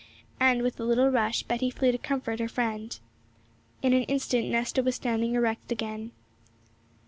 And with a little rush Betty flew to comfort her friend. In an instant Nesta was standing erect again.